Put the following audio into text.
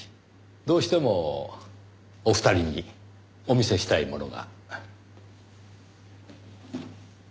どうしてもお二人にお見せしたいものが。